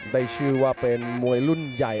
ได้ชื่อว่าเป็นมวยรุ่นใหญ่